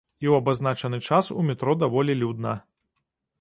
І ў абазначаны час у метро даволі людна.